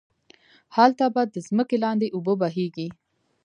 هلته به ده ځمکی لاندی اوبه بهيږي